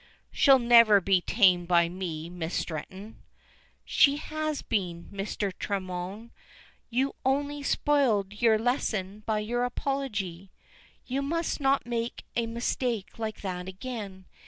"She'll never be tamed by me, Miss Stretton." "She has been, Mr. Tremorne, only you spoiled your lesson by your apology. You must not make a mistake like that again.